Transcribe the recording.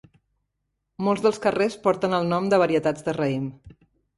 Molts dels carrers porten el nom de varietats de raïm.